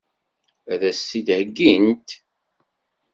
Ad as-t-id-heggint?